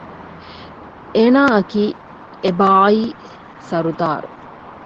އޭނާއަކީ އެބާޣީ ސަރުދާރު